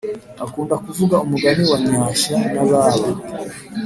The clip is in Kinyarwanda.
akunda kuvuga umugani wa nyashya na baba